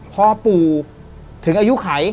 พอปู่ถึงอายุไข